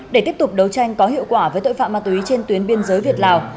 để tiếp tục đấu tranh có hiệu quả với tội phạm ma túy trên tuyến biên giới việt lào